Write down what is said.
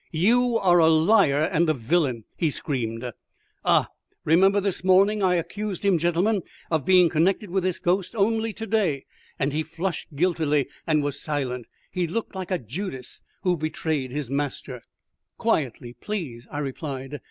"You are a liar and a villain!" he screamed. "Ah, remember this morning. I accused him, gentlemen, of being connected with this ghost only to day, and he flushed guiltily and was silent. He looked like a Judas who betrayed his master." "Quietly, please," I replied.